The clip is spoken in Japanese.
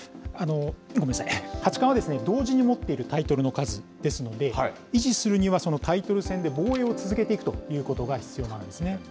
八冠は同時に持っているタイトルの数ですので、維持するには、そのタイトル戦で防衛を続けていくということが必要なんですね。